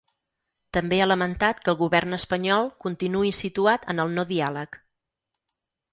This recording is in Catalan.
També ha lamentat que el govern espanyol ‘continuï situat en el no diàleg’.